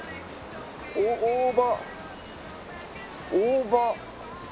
「大葉」「大葉」。